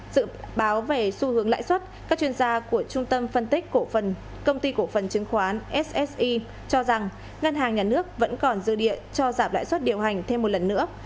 dự báo về xu hướng lãi suất các chuyên gia của trung tâm phân tích cổ phần công ty cổ phần chứng khoán ssi cho rằng ngân hàng nhà nước vẫn còn dư địa cho giảm lãi suất điều hành thêm một lần nữa